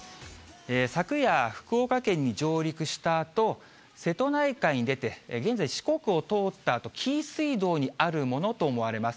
昨夜、福岡県に上陸したあと、瀬戸内海に出て、現在、四国を通ったあと、紀伊水道にあるものと思われます。